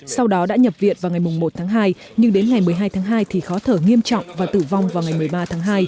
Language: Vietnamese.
sau đó đã nhập viện vào ngày một tháng hai nhưng đến ngày một mươi hai tháng hai thì khó thở nghiêm trọng và tử vong vào ngày một mươi ba tháng hai